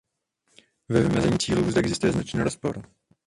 Ve vymezení cílů zde existuje značný rozpor.